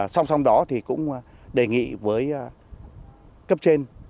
song song đó thì cũng đề nghị với cấp trên